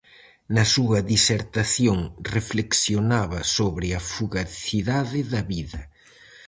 Na súa disertación reflexionaba sobre a fugacidade da vida.